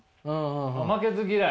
負けず嫌い？